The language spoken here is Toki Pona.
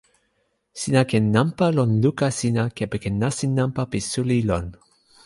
sina ken nanpa lon luka sina kepeken nasin nanpa pi suli lon.